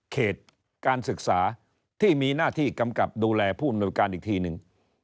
เขตการศึกษาที่มีหน้าที่กำกับดูแลผู้อำนวยการอีกทีหนึ่ง